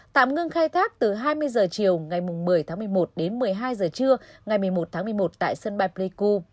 tạm ngưng khai thác từ hai mươi h chiều ngày một mươi tháng một mươi một đến một mươi hai h trưa ngày một mươi một tháng một mươi một tại sân bay pleiku